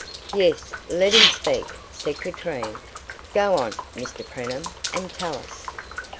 "Yes, let him speak," said Katrine. "Go on, Mr Preenham, and tell us."